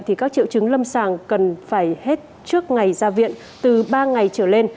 thì các triệu chứng lâm sàng cần phải hết trước ngày ra viện từ ba ngày trở lên